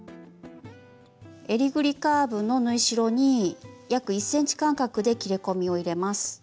えりぐりカーブの縫い代に約１ｃｍ間隔で切り込みを入れます。